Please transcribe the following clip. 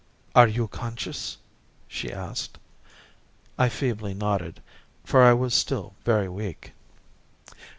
"Are you conscious?" she asked. I feebly nodded for I was still very weak.